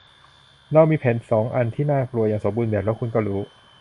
เรามีแผนสองอันที่น่ากลัวอย่างสมบูรณ์แบบและคุณก็รู้